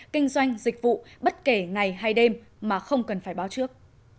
kinh doanh dịch vụ bất kể ngày hay đêm mà không cần phải báo trước